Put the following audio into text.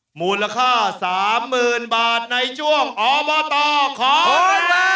หมูลค่า๓หมื่นบาทในช่วงอบอตโตรขอแรง